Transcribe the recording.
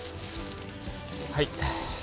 はい。